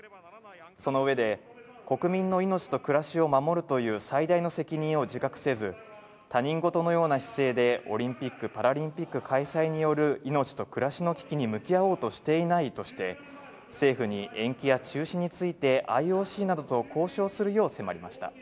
その上で、国民の命と暮らしを守るという最大の責任を自覚せず、他人事のような姿勢でオリンピック・パラリンピック開催による命と暮らしの危機に向き合おうとしていないとして、政府に延期や中止について、ＩＯＣなどと交渉するよう迫りました。